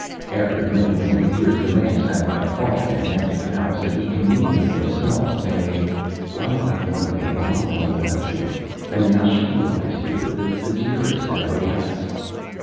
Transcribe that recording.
After many, many years the man sat by a coffin, in an empty home. And he communed with himself, saying: "One by one they have gone away and left me; and now she lies here, the dearest and the last.